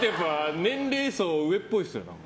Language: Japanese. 年齢層、上っぽいですよね。